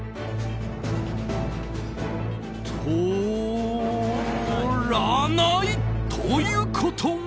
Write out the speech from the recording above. とらないということは。